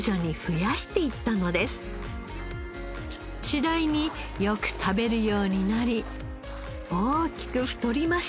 次第によく食べるようになり大きく太りました。